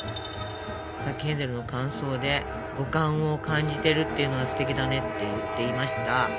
さっきヘンゼルの感想で「五感を感じてるっていうのはステキだね」って言っていました。